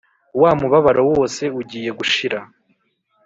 wa mubabaro wose ugiye gushira!”